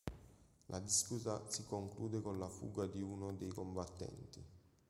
La disputa si conclude con la fuga di uno dei combattenti.